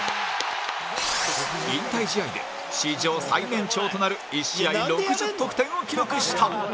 引退試合で史上最年長となる１試合６０得点を記録した